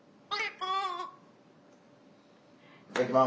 いただきます。